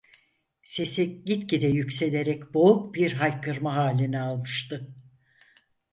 Sesi gitgide yükselerek boğuk bir haykırma halini almıştı.